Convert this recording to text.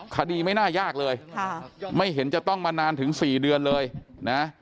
ไม่น่ายากเลยไม่เห็นจะต้องมานานถึง๔เดือนเลยนะ